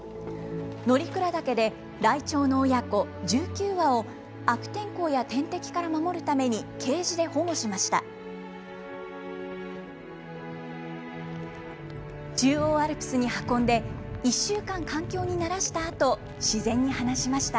乗鞍岳でライチョウの親子１９羽を、悪天候や天敵から守るためにケージで保護しました。